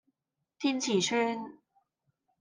天慈邨